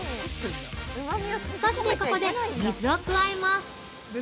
そして、ここで水を加えます。